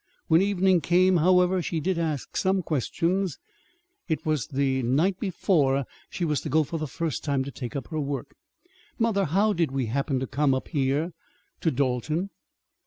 When evening came, however, she did ask some questions. It was the night before she was to go for the first time to take up her work. "Mother, how did we happen to come up here, to Dalton?"